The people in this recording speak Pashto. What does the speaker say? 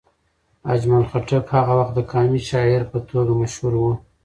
اجمل خټک هغه وخت د قامي شاعر په توګه مشهور و.